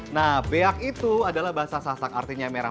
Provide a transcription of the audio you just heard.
nah beak itu adalah bahasa sasak artinya merah